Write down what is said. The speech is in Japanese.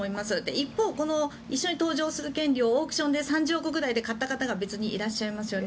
一方、一緒に搭乗する権利をオークションで３０億ぐらいで買った方が別にいらっしゃいますよね。